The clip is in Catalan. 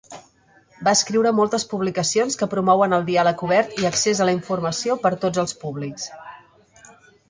Va escriure moltes publicacions que promouen el diàleg obert i accés a la informació per tots els públics.